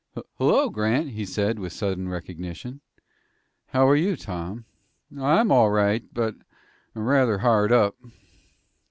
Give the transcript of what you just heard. "Hello, Grant!" he said, with sudden recognition. "How are you, Tom?" "I'm all right, but I'm rather hard up."